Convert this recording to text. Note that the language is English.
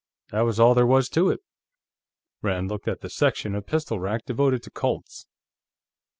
That was all there was to it." Rand looked at the section of pistol rack devoted to Colts.